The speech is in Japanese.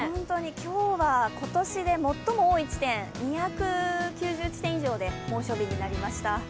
今日は今年で最も多い地点２９０地点以上で猛暑日となりました。